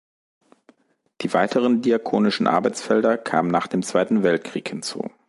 Die weiteren diakonischen Arbeitsfelder kamen nach dem Zweiten Weltkrieg hinzu.